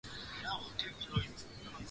Vijana wengi hawana msimamo